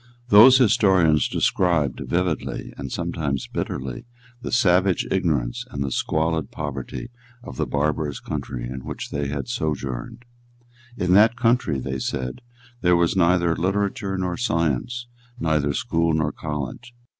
Those historians described vividly, and sometimes bitterly, the savage ignorance and the squalid poverty of the barbarous country in which they had sojourned. In that country, they said, there was neither literature nor science, neither school nor college.